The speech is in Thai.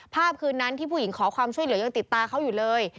คืนนั้นที่ผู้หญิงขอความช่วยเหลือยังติดตาเขาอยู่เลย